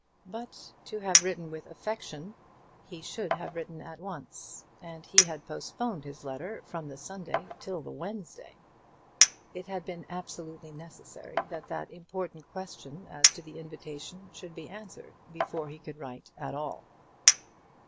But, to have written with affection, he should have written at once, and he had postponed his letter from the Sunday till the Wednesday. It had been absolutely necessary that that important question as to the invitation should be answered before he could write at all.